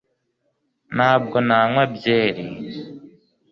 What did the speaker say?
ntabwo nanywa byeri